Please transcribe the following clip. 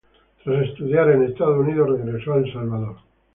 Tras estudiar en Estados Unidos regresó a El Salvador.